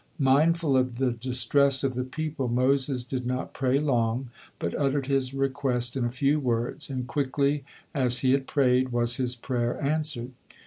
Mindful of the distress of the people, Moses did not pray long, but uttered his request in a few words; and quickly, as he had prayed, was his prayer answered.